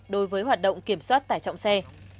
đối với hoạt động kiểm soát tải trọng xe